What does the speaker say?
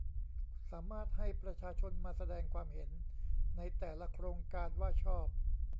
สามารถให้ประชาชนมาแสดงความเห็นในแต่ละโครงการว่าชอบ